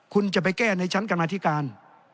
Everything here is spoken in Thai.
คุณจะไปแก้ในชั้นกรรมาธิการ